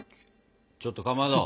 ちょっとかまど！